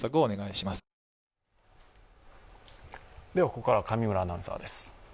ここからは上村アナウンサーです。